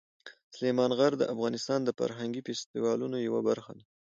سلیمان غر د افغانستان د فرهنګي فستیوالونو یوه برخه ده.